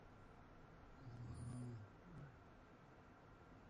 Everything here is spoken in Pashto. آزاد تجارت مهم دی ځکه چې فقراء ته ګټه رسوي.